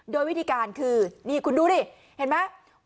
โดยวิธีการคือนี่คุณดูดิเห็นไหม